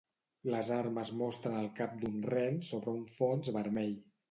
Les armes mostren el cap d'un ren sobre un fons vermell.